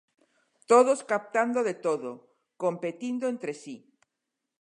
Todos captando de todo, competindo entre si.